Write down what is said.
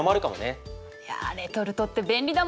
いやレトルトって便利だもんな。